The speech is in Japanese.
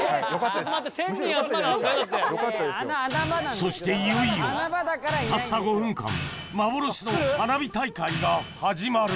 そしていよいよたった５分間幻の花火大会が始まる